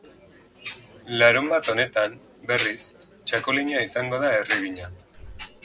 Larunbat honetan, berriz, txakolina izango da erregiña!